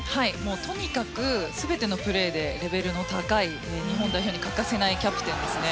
とにかく全てのプレーでレベルの高い日本代表に欠かせないキャプテンですね。